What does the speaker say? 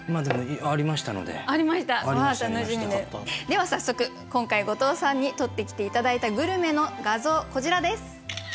では早速今回後藤さんに撮ってきて頂いたグルメの画像こちらです。